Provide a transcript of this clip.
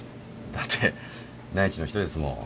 だって内地の人ですもん。